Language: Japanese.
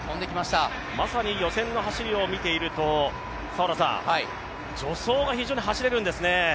まさに予選の走りを見ていると、助走が非常に走れるんですね。